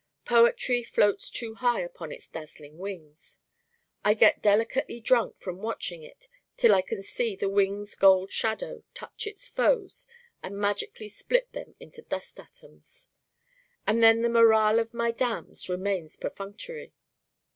Poetry floats too high upon its dazzling wings. I get delicately drunk from watching it till I can see the wings' Gold Shadow touch its foes and magically split them into dust atoms. So then the morale of my Damns remains perfunctory.